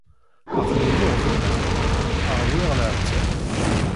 Aql-i mmuɣebneɣ, ṛwiɣ leɛtab.